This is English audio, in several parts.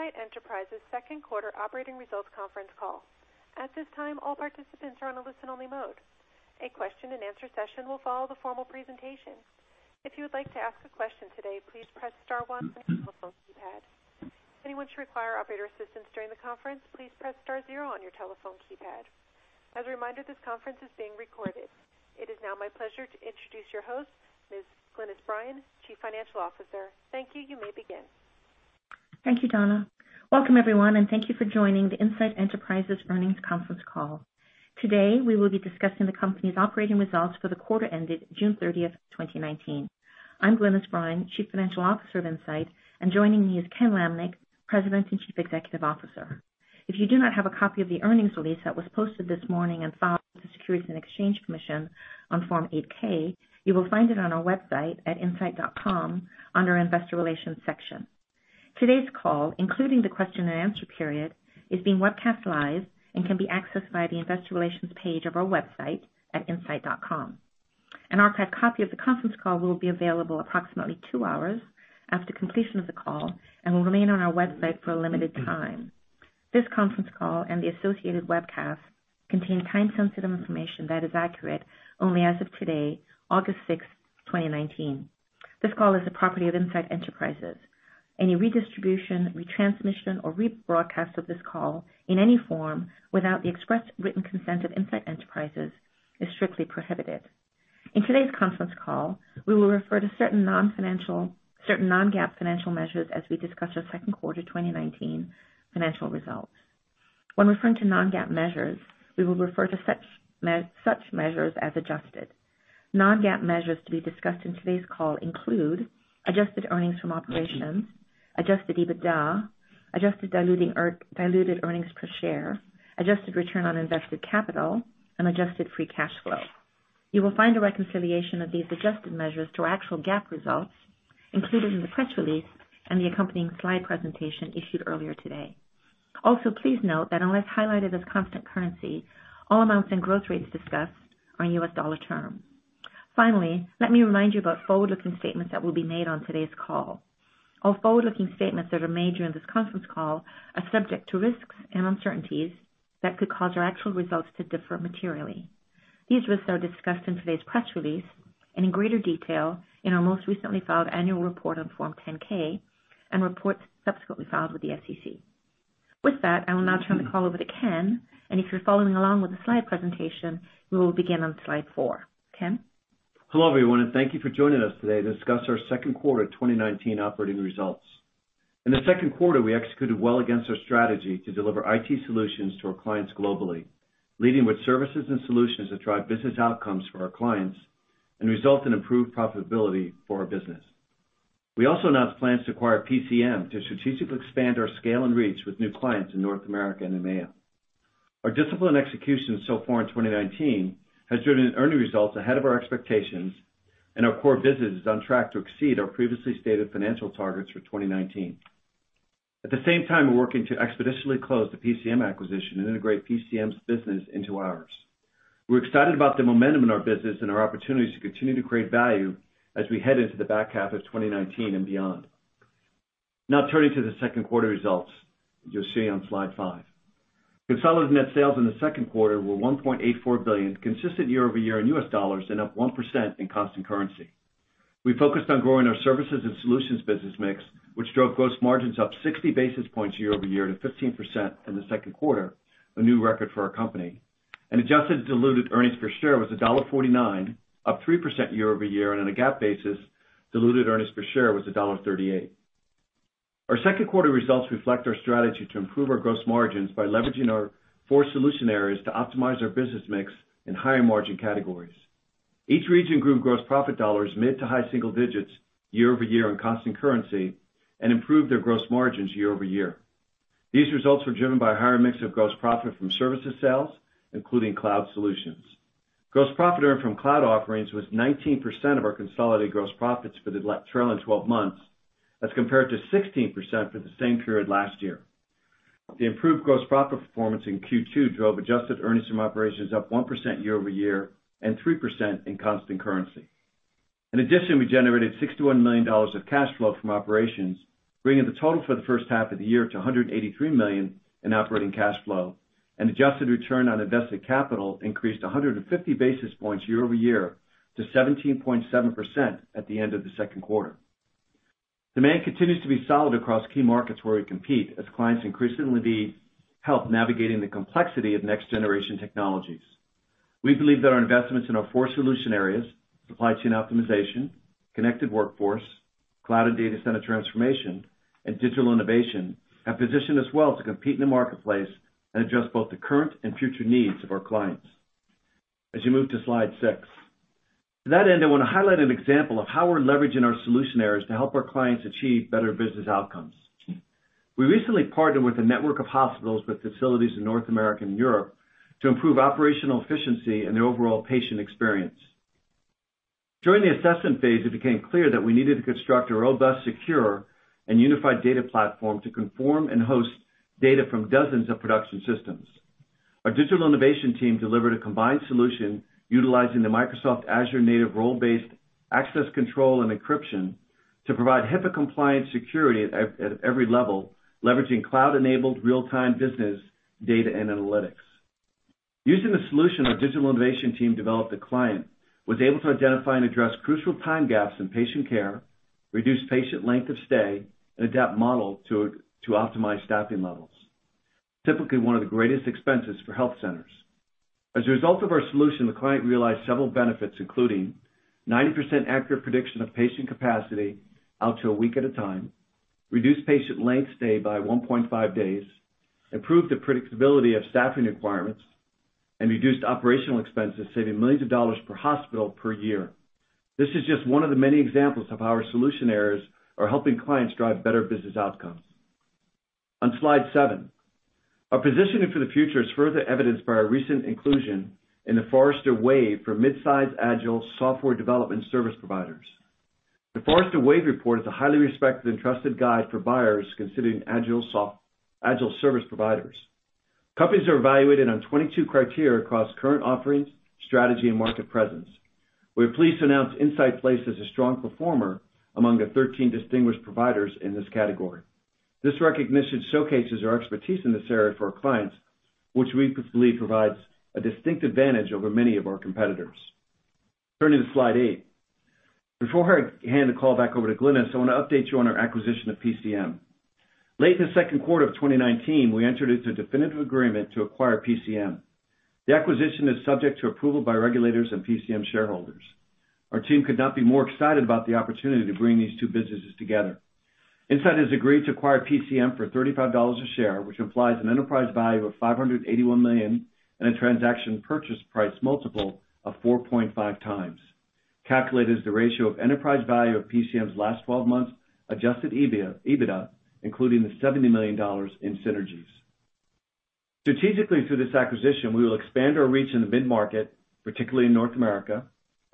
Welcome to Insight Enterprises' second quarter operating results conference call. At this time, all participants are on a listen-only mode. A question and answer session will follow the formal presentation. If you would like to ask a question today, please press star one on your telephone keypad. If anyone should require operator assistance during the conference, please press star zero on your telephone keypad. As a reminder, this conference is being recorded. It is now my pleasure to introduce your host, Ms. Glynis Bryan, Chief Financial Officer. Thank you. You may begin. Thank you, Donna. Welcome everyone, and thank you for joining the Insight Enterprises earnings conference call. Today, we will be discussing the company's operating results for the quarter ended June 30, 2019. I'm Glynis Bryan, Chief Financial Officer of Insight, and joining me is Ken Lamneck, President and Chief Executive Officer. If you do not have a copy of the earnings release that was posted this morning and filed with the Securities and Exchange Commission on Form 8-K, you will find it on our website at insight.com under Investor Relations section. Today's call, including the question and answer period, is being webcast live and can be accessed via the Investor Relations page of our website at insight.com. An archived copy of the conference call will be available approximately two hours after completion of the call and will remain on our website for a limited time. This conference call and the associated webcast contain time-sensitive information that is accurate only as of today, August 6th, 2019. This call is the property of Insight Enterprises. Any redistribution, retransmission, or rebroadcast of this call in any form without the express written consent of Insight Enterprises is strictly prohibited. In today's conference call, we will refer to certain non-GAAP financial measures as we discuss our second quarter 2019 financial results. When referring to non-GAAP measures, we will refer to such measures as adjusted. Non-GAAP measures to be discussed in today's call include adjusted earnings from operations, adjusted EBITDA, adjusted diluted earnings per share, adjusted return on invested capital, and adjusted free cash flow. You will find a reconciliation of these adjusted measures to our actual GAAP results included in the press release and the accompanying slide presentation issued earlier today. Also, please note that unless highlighted as constant currency, all amounts and growth rates discussed are U.S. dollar term. Finally, let me remind you about forward-looking statements that will be made on today's call. All forward-looking statements that are made during this conference call are subject to risks and uncertainties that could cause our actual results to differ materially. These risks are discussed in today's press release and in greater detail in our most recently filed annual report on Form 10-K and reports subsequently filed with the SEC. With that, I will now turn the call over to Ken, and if you're following along with the slide presentation, we will begin on slide four. Ken? Hello everyone. Thank you for joining us today to discuss our second quarter 2019 operating results. In the second quarter, we executed well against our strategy to deliver IT solutions to our clients globally, leading with services and solutions that drive business outcomes for our clients and result in improved profitability for our business. We also announced plans to acquire PCM to strategically expand our scale and reach with new clients in North America and EMEA. Our disciplined execution so far in 2019 has driven earning results ahead of our expectations and our core business is on track to exceed our previously stated financial targets for 2019. At the same time, we're working to expeditiously close the PCM acquisition and integrate PCM's business into ours. We're excited about the momentum in our business and our opportunities to continue to create value as we head into the back half of 2019 and beyond. Turning to the second quarter results you'll see on slide five. Consolidated net sales in the second quarter were $1.84 billion, consistent year-over-year in US dollars and up 1% in constant currency. We focused on growing our services and solutions business mix, which drove gross margins up 60 basis points year-over-year to 15% in the second quarter, a new record for our company. Adjusted diluted earnings per share was $1.49, up 3% year-over-year, and on a GAAP basis, diluted earnings per share was $1.38. Our second quarter results reflect our strategy to improve our gross margins by leveraging our four solution areas to optimize our business mix in higher margin categories. Each region grew gross profit dollars mid to high single digits year-over-year on constant currency and improved their gross margins year-over-year. These results were driven by a higher mix of gross profit from services sales, including cloud solutions. Gross profit earned from cloud offerings was 19% of our consolidated gross profits for the trailing 12 months as compared to 16% for the same period last year. The improved gross profit performance in Q2 drove adjusted earnings from operations up 1% year-over-year and 3% in constant currency. We generated $61 million of cash flow from operations, bringing the total for the first half of the year to $183 million in operating cash flow. Adjusted return on invested capital increased 150 basis points year-over-year to 17.7% at the end of the second quarter. Demand continues to be solid across key markets where we compete as clients increasingly need help navigating the complexity of next-generation technologies. We believe that our investments in our four solution areas, supply chain optimization, connected workforce, cloud and data center transformation, and digital innovation, have positioned us well to compete in the marketplace and address both the current and future needs of our clients. As you move to slide six. To that end, I want to highlight an example of how we're leveraging our solution areas to help our clients achieve better business outcomes. We recently partnered with a network of hospitals with facilities in North America and Europe to improve operational efficiency and the overall patient experience. During the assessment phase, it became clear that we needed to construct a robust, secure, and unified data platform to conform and host data from dozens of production systems. Our digital innovation team delivered a combined solution utilizing the Microsoft Azure native role-based access control and encryption to provide HIPAA-compliant security at every level, leveraging cloud-enabled real-time business data and analytics. Using the solution our digital innovation team developed, the client was able to identify and address crucial time gaps in patient care, reduce patient length of stay, and adapt models to optimize staffing levels, typically one of the greatest expenses for health centers. As a result of our solution, the client realized several benefits, including 90% accurate prediction of patient capacity out to a week at a time, reduced patient length stay by 1.5 days, improved the predictability of staffing requirements, and reduced operational expenses, saving millions of dollars per hospital per year. This is just one of the many examples of how our solution areas are helping clients drive better business outcomes. On slide seven, our positioning for the future is further evidenced by our recent inclusion in the Forrester Wave for midsize agile software development service providers. The Forrester Wave report is a highly respected and trusted guide for buyers considering agile service providers. Companies are evaluated on 22 criteria across current offerings, strategy, and market presence. We are pleased to announce Insight placed as a strong performer among the 13 distinguished providers in this category. This recognition showcases our expertise in this area for our clients, which we believe provides a distinct advantage over many of our competitors. Turning to slide eight. Before I hand the call back over to Glynis, I want to update you on our acquisition of PCM. Late in the second quarter of 2019, we entered into a definitive agreement to acquire PCM. The acquisition is subject to approval by regulators and PCM shareholders. Our team could not be more excited about the opportunity to bring these two businesses together. Insight has agreed to acquire PCM for $35 a share, which implies an enterprise value of $581 million and a transaction purchase price multiple of 4.5 times, calculated as the ratio of enterprise value of PCM's last 12 months adjusted EBITDA, including the $70 million in synergies. Strategically, through this acquisition, we will expand our reach in the mid-market, particularly in North America,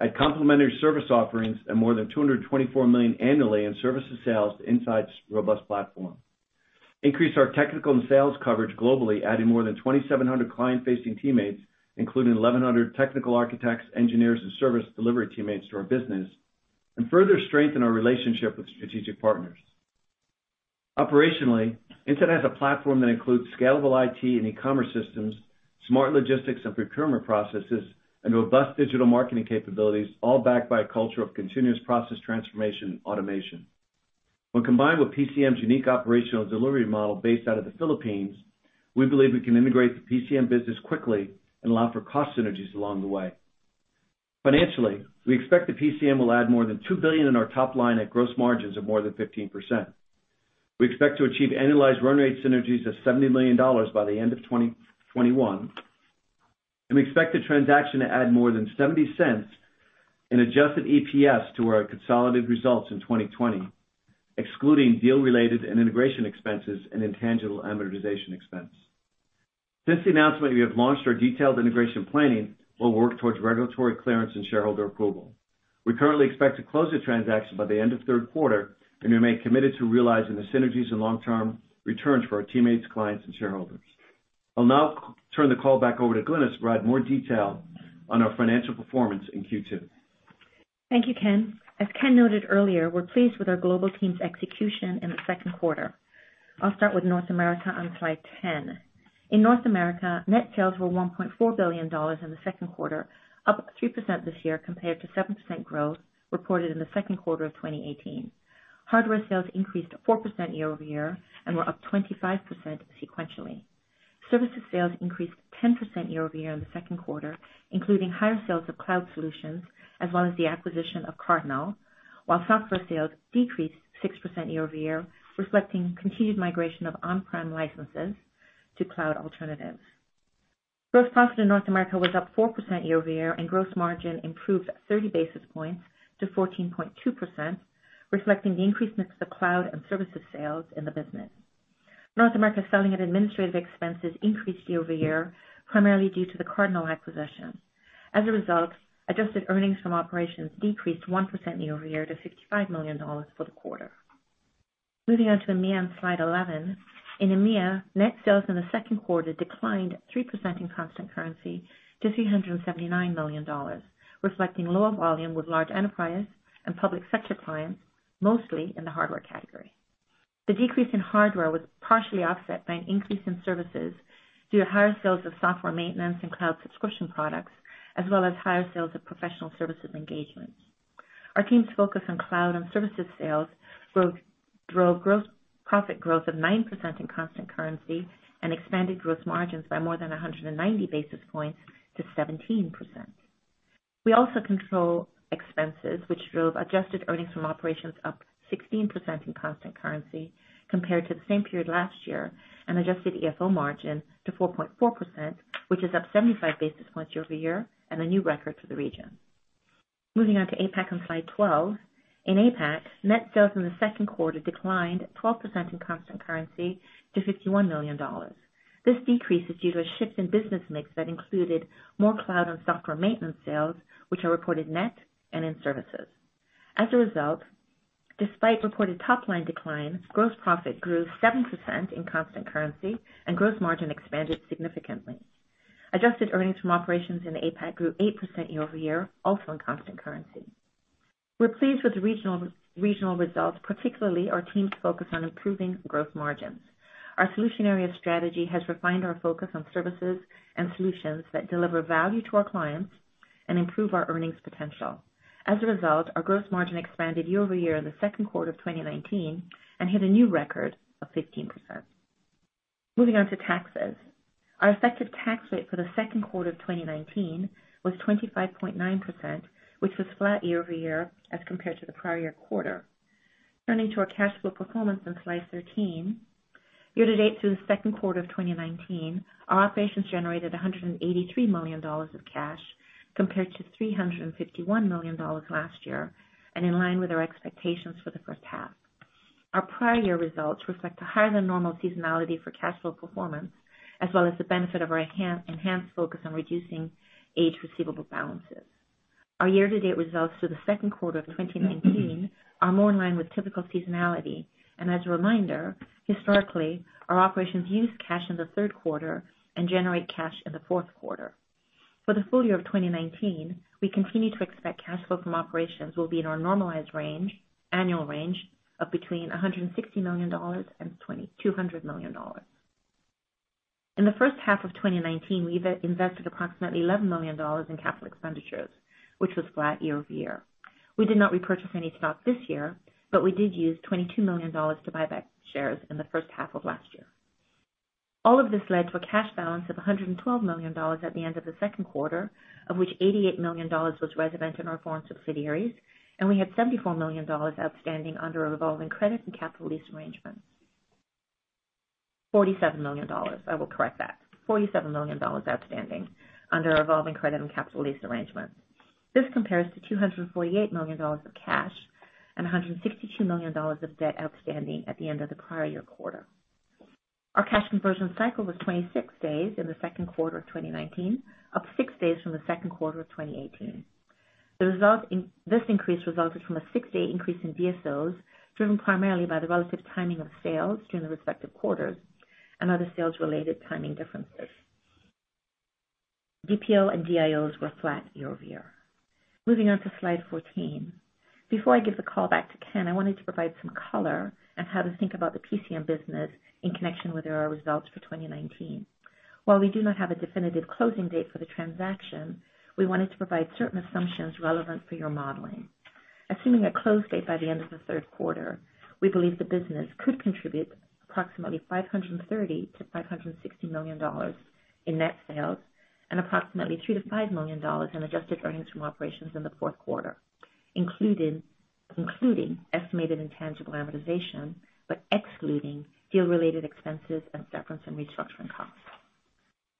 add complementary service offerings and more than $224 million annually in services sales to Insight's robust platform, increase our technical and sales coverage globally, adding more than 2,700 client-facing teammates, including 1,100 technical architects, engineers, and service delivery teammates to our business, and further strengthen our relationship with strategic partners. Operationally, Insight has a platform that includes scalable IT and e-commerce systems, smart logistics and procurement processes, and robust digital marketing capabilities, all backed by a culture of continuous process transformation and automation. When combined with PCM's unique operational delivery model based out of the Philippines, we believe we can integrate the PCM business quickly and allow for cost synergies along the way. Financially, we expect that PCM will add more than $2 billion in our top line at gross margins of more than 15%. We expect to achieve annualized run rate synergies of $70 million by the end of 2021, and we expect the transaction to add more than $0.70 in adjusted EPS to our consolidated results in 2020, excluding deal related and integration expenses and intangible amortization expense. Since the announcement, we have launched our detailed integration planning while working towards regulatory clearance and shareholder approval. We currently expect to close the transaction by the end of the third quarter, and remain committed to realizing the synergies and long-term returns for our teammates, clients, and shareholders. I'll now turn the call back over to Glynis to provide more detail on our financial performance in Q2. Thank you, Ken. As Ken noted earlier, we're pleased with our global team's execution in the second quarter. I'll start with North America on slide 10. In North America, net sales were $1.4 billion in the second quarter, up 3% this year compared to 7% growth reported in the second quarter of 2018. Hardware sales increased 4% year-over-year and were up 25% sequentially. Services sales increased 10% year-over-year in the second quarter, including higher sales of cloud solutions as well as the acquisition of Cardinal. While software sales decreased 6% year-over-year, reflecting continued migration of on-prem licenses to cloud alternatives. Gross profit in North America was up 4% year-over-year, and gross margin improved 30 basis points to 14.2%, reflecting the increased mix of cloud and services sales in the business. North America selling and administrative expenses increased year-over-year, primarily due to the Cardinal acquisition. As a result, adjusted earnings from operations decreased 1% year-over-year to $65 million for the quarter. Moving on to EMEA on slide 11. In EMEA, net sales in the second quarter declined 3% in constant currency to $379 million, reflecting lower volume with large enterprise and public sector clients, mostly in the hardware category. The decrease in hardware was partially offset by an increase in services due to higher sales of software maintenance and cloud subscription products, as well as higher sales of professional services engagements. Our team's focus on cloud and services sales drove gross profit growth of 9% in constant currency and expanded gross margins by more than 190 basis points to 17%. We also control expenses, which drove adjusted earnings from operations up 16% in constant currency compared to the same period last year, and adjusted EFO margin to 4.4%, which is up 75 basis points year-over-year and a new record for the region. Moving on to APAC on slide 12. In APAC, net sales in the second quarter declined 12% in constant currency to $51 million. This decrease is due to a shift in business mix that included more cloud and software maintenance sales, which are reported net and in services. Despite reported top line decline, gross profit grew 7% in constant currency and gross margin expanded significantly. Adjusted earnings from operations in APAC grew 8% year-over-year, also in constant currency. We're pleased with the regional results, particularly our team's focus on improving gross margins. Our solution area strategy has refined our focus on services and solutions that deliver value to our clients and improve our earnings potential. As a result, our gross margin expanded year-over-year in the second quarter of 2019 and hit a new record of 15%. Moving on to taxes. Our effective tax rate for the second quarter of 2019 was 25.9%, which was flat year-over-year as compared to the prior year quarter. Turning to our cash flow performance on slide 13. Year-to-date through the second quarter of 2019, our operations generated $183 million of cash, compared to $351 million last year, and in line with our expectations for the first half. Our prior year results reflect a higher than normal seasonality for cash flow performance, as well as the benefit of our enhanced focus on reducing age receivable balances. Our year-to-date results through the second quarter of 2019 are more in line with typical seasonality. As a reminder, historically, our operations use cash in the third quarter and generate cash in the fourth quarter. For the full year of 2019, we continue to expect cash flow from operations will be in our normalized annual range of between $160 million and $200 million. In the first half of 2019, we invested approximately $11 million in capital expenditures, which was flat year-over-year. We did not repurchase any stock this year, but we did use $22 million to buy back shares in the first half of last year. All of this led to a cash balance of $112 million at the end of the second quarter, of which $88 million was resident in our foreign subsidiaries, and we had $74 million outstanding under a revolving credit and capital lease arrangement. $47 million. I will correct that. $47 million outstanding under a revolving credit and capital lease arrangement. This compares to $248 million of cash and $162 million of debt outstanding at the end of the prior year quarter. Our cash conversion cycle was 26 days in the second quarter of 2019, up six days from the second quarter of 2018. This increase resulted from a six-day increase in DSOs, driven primarily by the relative timing of sales during the respective quarters and other sales-related timing differences. DPO and DIOs were flat year-over-year. Moving on to slide 14. Before I give the call back to Ken, I wanted to provide some color on how to think about the PCM business in connection with our results for 2019. While we do not have a definitive closing date for the transaction, we wanted to provide certain assumptions relevant for your modeling. Assuming a close date by the end of the third quarter, we believe the business could contribute approximately $530 million-$560 million in net sales and approximately $3 million-$5 million in adjusted earnings from operations in the fourth quarter, including estimated intangible amortization, but excluding deal related expenses and severance and restructuring costs.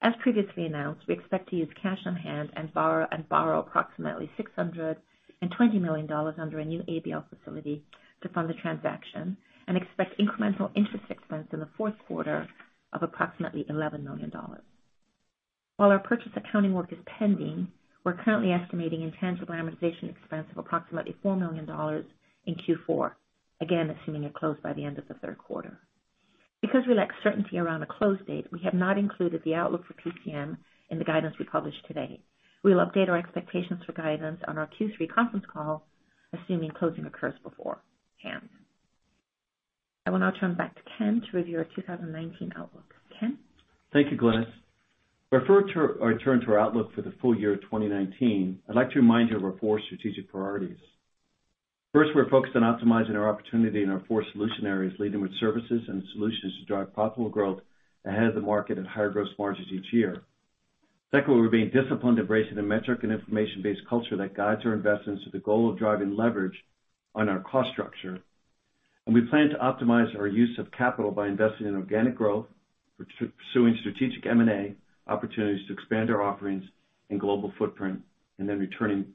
As previously announced, we expect to use cash on hand and borrow approximately $620 million under a new ABL facility to fund the transaction and expect incremental interest expense in the fourth quarter of approximately $11 million. While our purchase accounting work is pending, we're currently estimating intangible amortization expense of approximately $4 million in Q4, again, assuming a close by the end of the third quarter. Because we lack certainty around a close date, we have not included the outlook for PCM in the guidance we published today. We will update our expectations for guidance on our Q3 conference call, assuming closing occurs before then. I will now turn back to Ken to review our 2019 outlook. Ken? Thank you, Glynis. Before I turn to our outlook for the full year of 2019, I'd like to remind you of our 4 strategic priorities. First, we're focused on optimizing our opportunity in our 4 solution areas, leading with services and solutions to drive profitable growth ahead of the market at higher gross margins each year. Second, we're being disciplined, embracing a metric and information-based culture that guides our investments with the goal of driving leverage on our cost structure. We plan to optimize our use of capital by investing in organic growth, pursuing strategic M&A opportunities to expand our offerings and global footprint, and then returning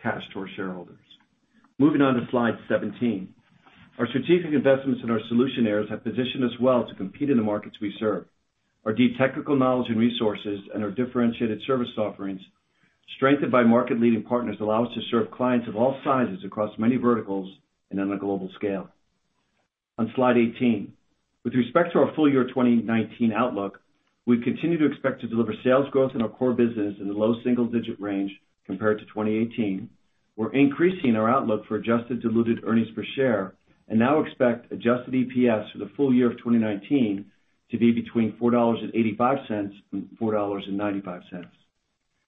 cash to our shareholders. Moving on to slide 17. Our strategic investments in our solution areas have positioned us well to compete in the markets we serve. Our deep technical knowledge and resources and our differentiated service offerings, strengthened by market-leading partners, allow us to serve clients of all sizes across many verticals and on a global scale. On slide 18. With respect to our full year 2019 outlook, we continue to expect to deliver sales growth in our core business in the low single-digit range compared to 2018. We're increasing our outlook for adjusted diluted earnings per share and now expect adjusted EPS for the full year of 2019 to be between $4.85 and $4.95.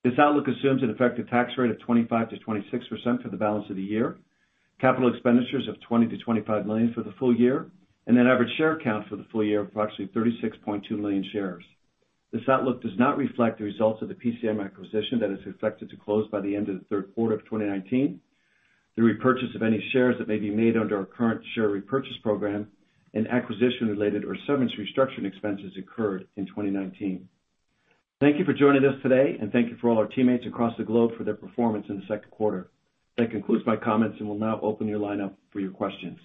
This outlook assumes an effective tax rate of 25%-26% for the balance of the year, capital expenditures of $20 million-$25 million for the full year, and an average share count for the full year of approximately 36.2 million shares. This outlook does not reflect the results of the PCM acquisition that is expected to close by the end of the third quarter of 2019, the repurchase of any shares that may be made under our current share repurchase program, and acquisition-related or severance restructuring expenses incurred in 2019. Thank you for joining us today, and thank you for all our teammates across the globe for their performance in the second quarter. That concludes my comments and we'll now open your line up for your questions.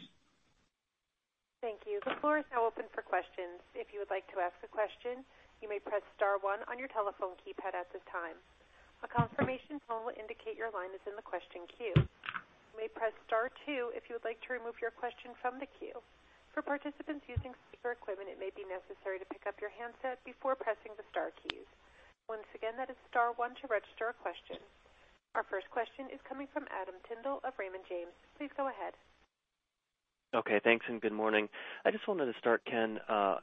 Thank you. The floor is now open for questions. If you would like to ask a question, you may press star one on your telephone keypad at this time. A confirmation tone will indicate your line is in the question queue. You may press star two if you would like to remove your question from the queue. For participants using speaker equipment, it may be necessary to pick up your handset before pressing the star keys. Once again, that is star one to register a question. Our first question is coming from Adam Tindle of Raymond James. Please go ahead. Okay, thanks, and good morning. I just wanted to start, Ken.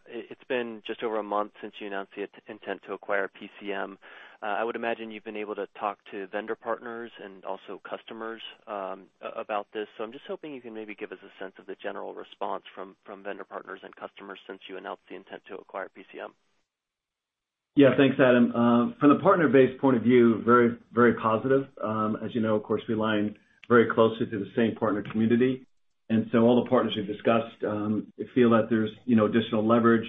It's been just over a month since you announced the intent to acquire PCM. I would imagine you've been able to talk to vendor partners and also customers about this. I'm just hoping you can maybe give us a sense of the general response from vendor partners and customers since you announced the intent to acquire PCM? Yeah. Thanks, Adam. From the partner-based point of view, very positive. As you know, of course, we align very closely to the same partner community. All the partners we've discussed feel that there's additional leverage.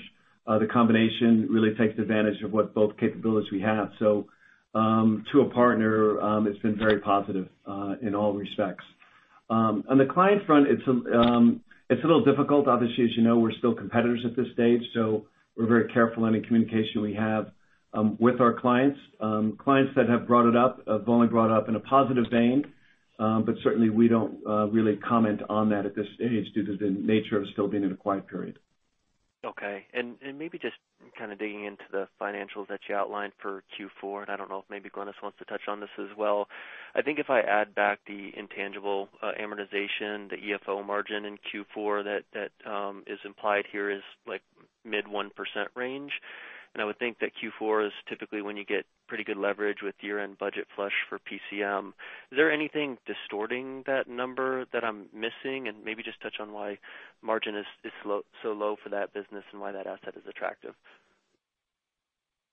The combination really takes advantage of what both capabilities we have. To a partner, it's been very positive in all respects. On the client front, it's a little difficult. Obviously, as you know, we're still competitors at this stage. We're very careful any communication we have with our clients. Clients that have brought it up have only brought up in a positive vein. Certainly we don't really comment on that at this stage due to the nature of still being in a quiet period. Okay. Maybe just kind of digging into the financials that you outlined for Q4, I don't know if maybe Glynis wants to touch on this as well. I think if I add back the intangible amortization, the EFO margin in Q4 that is implied here is mid one percent range. I would think that Q4 is typically when you get pretty good leverage with year-end budget flush for PCM. Is there anything distorting that number that I'm missing? Maybe just touch on why margin is so low for that business and why that asset is attractive.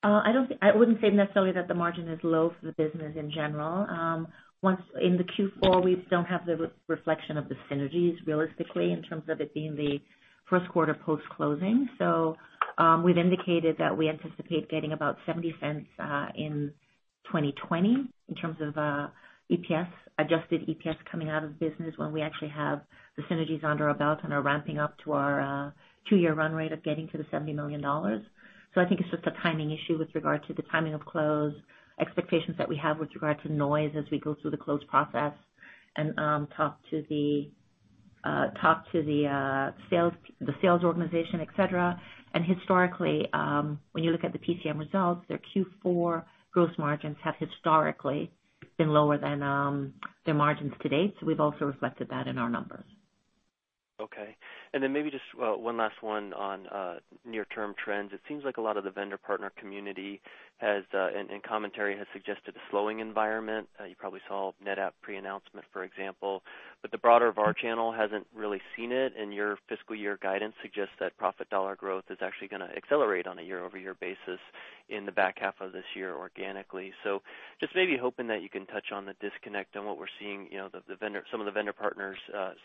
I wouldn't say necessarily that the margin is low for the business in general. Once in the Q4, we don't have the reflection of the synergies realistically in terms of it being the first quarter post-closing. We've indicated that we anticipate getting about $0.70 in 2020 in terms of EPS, adjusted EPS coming out of the business when we actually have the synergies under our belt and are ramping up to our two-year run rate of getting to the $70 million. I think it's just a timing issue with regard to the timing of close, expectations that we have with regard to noise as we go through the close process and talk to the sales organization, et cetera. Historically, when you look at the PCM results, their Q4 gross margins have historically been lower than their margins to date. We've also reflected that in our numbers. Okay. Then maybe just one last one on near-term trends. It seems like a lot of the vendor partner community has, and commentary has suggested a slowing environment. You probably saw NetApp pre-announcement, for example, but the broader of our channel hasn't really seen it, and your fiscal year guidance suggests that profit dollar growth is actually going to accelerate on a year-over-year basis in the back half of this year organically. Just maybe hoping that you can touch on the disconnect on what we're seeing, some of the vendor partners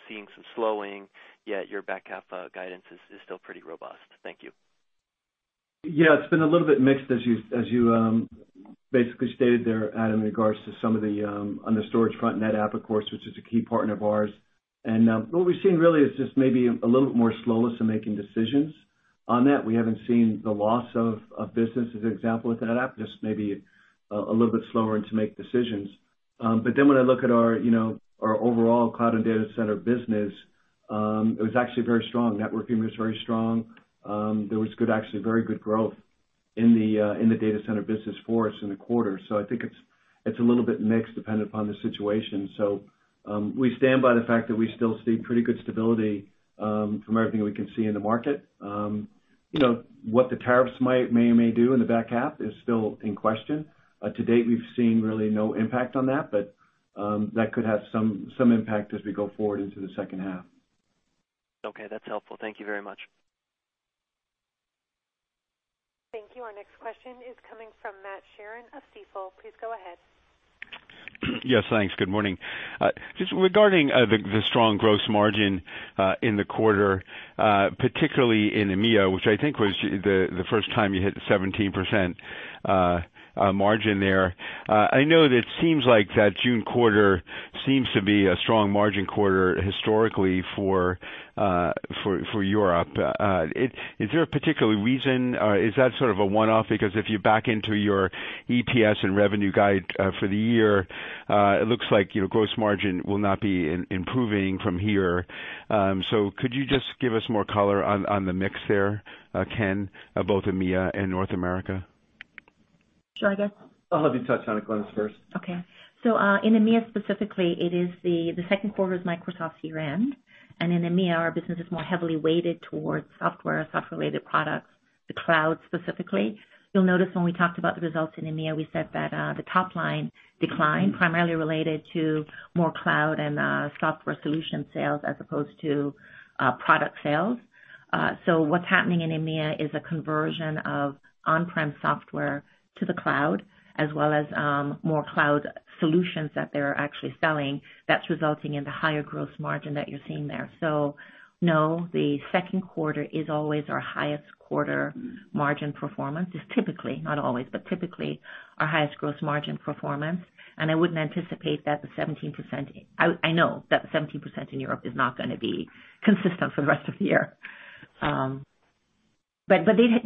seeing some slowing, yet your back half guidance is still pretty robust. Thank you. Yeah, it's been a little bit mixed as you basically stated there, Adam, in regards to some of the, on the storage front, NetApp, of course, which is a key partner of ours. What we've seen really is just maybe a little bit more slowness in making decisions on that. We haven't seen the loss of business as an example with NetApp, just maybe a little bit slower to make decisions. When I look at our overall cloud and data center business, it was actually very strong. Networking was very strong. There was actually very good growth in the data center business for us in the quarter. I think it's a little bit mixed dependent upon the situation. We stand by the fact that we still see pretty good stability, from everything we can see in the market. What the tariffs may or may do in the back half is still in question. To date, we've seen really no impact on that, but that could have some impact as we go forward into the second half. Okay. That's helpful. Thank you very much. Thank you. Our next question is coming from Matthew Sheerin of Stifel. Please go ahead. Yes, thanks. Good morning. Just regarding the strong gross margin in the quarter, particularly in EMEA, which I think was the first time you hit the 17%, margin there. I know that seems like that June quarter seems to be a strong margin quarter historically for Europe. Is there a particular reason or is that sort of a one-off? Because if you back into your EPS and revenue guide for the year, it looks like your gross margin will not be improving from here. Could you just give us more color on the mix there, Ken, both EMEA and North America? Sure, I guess. I'll have you touch on it, Glynis, first. In EMEA specifically, the second quarter is Microsoft's year-end, and in EMEA, our business is more heavily weighted towards software-related products, the cloud specifically. You'll notice when we talked about the results in EMEA, we said that the top line decline primarily related to more cloud and software solution sales as opposed to product sales. What's happening in EMEA is a conversion of on-prem software to the cloud, as well as more cloud solutions that they're actually selling that's resulting in the higher gross margin that you're seeing there. No, the second quarter is always our highest quarter margin performance. It's typically, not always, but typically our highest gross margin performance, and I wouldn't anticipate that the 17%. I know that 17% in Europe is not going to be consistent for the rest of the year. They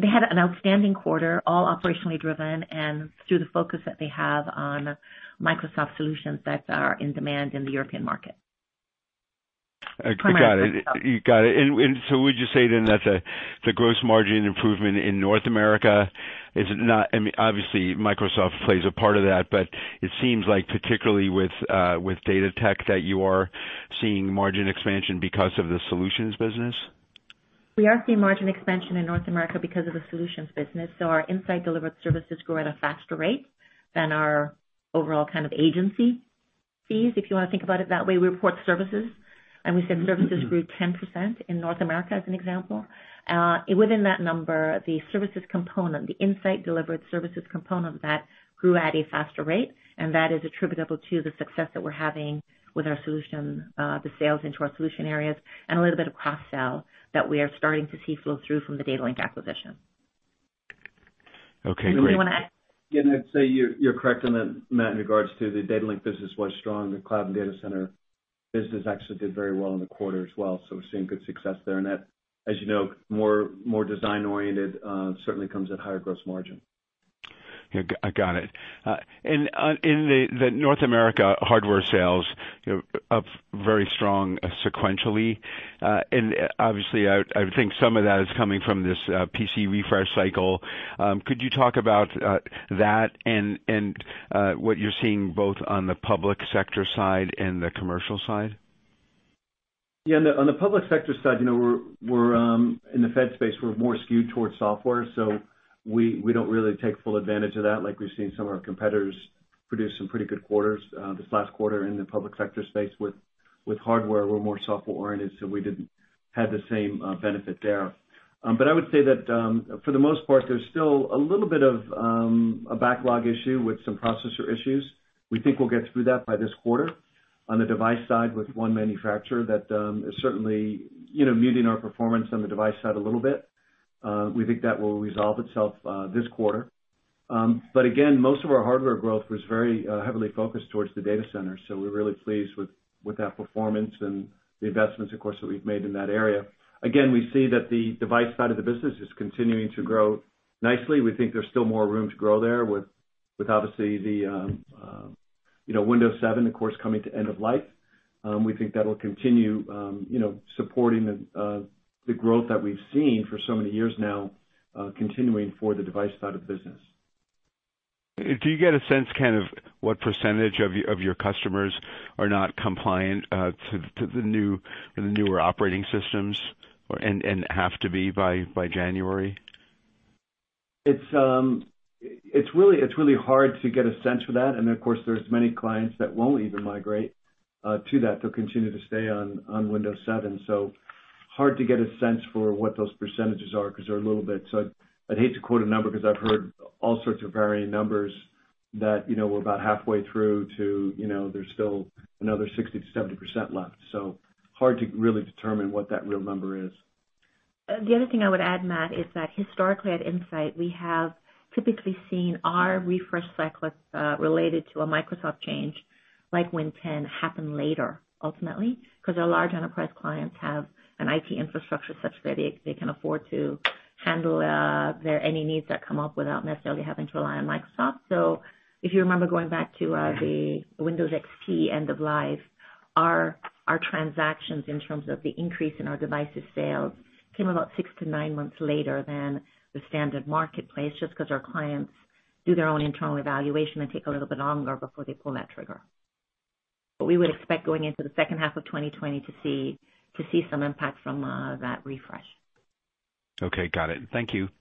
had an outstanding quarter, all operationally driven, and through the focus that they have on Microsoft solutions that are in demand in the European market. I got it. Would you say then that the gross margin improvement in North America, obviously, Microsoft plays a part of that, but it seems like particularly with Datalink, that you are seeing margin expansion because of the solutions business? We are seeing margin expansion in North America because of the solutions business. Our Insight-delivered services grow at a faster rate than our overall kind of agency fees, if you want to think about it that way. We report services, and we said services grew 10% in North America, as an example. Within that number, the services component, the Insight-delivered services component of that grew at a faster rate, and that is attributable to the success that we're having with our solution, the sales into our solution areas, and a little bit of cross-sell that we are starting to see flow through from the Datalink acquisition. Okay, great. Anything you want to add? Yeah, I'd say you're correct on that, Matt, in regards to the Datalink business was strong. The cloud and data center business actually did very well in the quarter as well, so we're seeing good success there. That, as you know, more design-oriented, certainly comes at higher gross margin. Yeah, I got it. In the North America hardware sales, up very strong sequentially. Obviously, I would think some of that is coming from this PC refresh cycle. Could you talk about that and what you're seeing both on the public sector side and the commercial side? Yeah. On the public sector side, in the Fed space, we're more skewed towards software, so we don't really take full advantage of that. Like we've seen some of our competitors produce some pretty good quarters this last quarter in the public sector space with hardware. We're more software-oriented, so we didn't have the same benefit there. I would say that for the most part, there's still a little bit of a backlog issue with some processor issues. We think we'll get through that by this quarter. On the device side with one manufacturer, that is certainly muting our performance on the device side a little bit. We think that will resolve itself this quarter. Again, most of our hardware growth was very heavily focused towards the data center, so we're really pleased with that performance and the investments, of course, that we've made in that area. We see that the device side of the business is continuing to grow nicely. We think there's still more room to grow there with obviously the Windows 7, of course, coming to end of life. We think that'll continue supporting the growth that we've seen for so many years now, continuing for the device side of the business. Do you get a sense kind of what percentage of your customers are not compliant to the newer operating systems and have to be by January? It's really hard to get a sense for that. Of course, there's many clients that won't even migrate to that. They'll continue to stay on Windows 7. Hard to get a sense for what those percentages are. I'd hate to quote a number because I've heard all sorts of varying numbers that we're about halfway through to there's still another 60%-70% left. Hard to really determine what that real number is. The other thing I would add, Matt, is that historically at Insight, we have typically seen our refresh cycles related to a Microsoft change, like Windows 10 happened later ultimately, because our large enterprise clients have an IT infrastructure such that they can afford to handle any needs that come up without necessarily having to rely on Microsoft. If you remember going back to the Windows XP end of life, our transactions, in terms of the increase in our devices sales, came about 6 to 9 months later than the standard marketplace, just because our clients do their own internal evaluation and take a little bit longer before they pull that trigger. We would expect going into the second half of 2020 to see some impact from that refresh. Okay, got it. Thank you. Thank you.